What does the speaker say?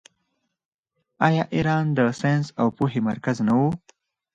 آیا ایران د ساینس او پوهې مرکز نه و؟